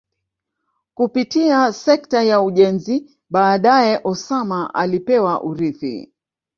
kupitia sekta ya ujenzi baadae Osama alipewa urithi